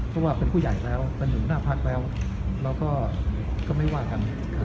เพราะว่าเป็นผู้ใหญ่แล้วเป็นหัวหน้าพักแล้วแล้วก็ไม่ว่ากัน